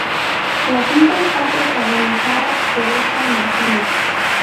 La cinta está protagonizada por Oscar Martínez.